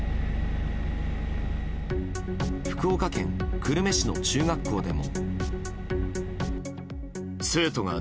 福岡県久留米市の中学校でも。